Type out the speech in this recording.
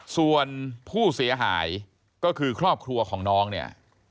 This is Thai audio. ส่วนผู้เสียหายก็คือครอบครัวของน้องเนี่ย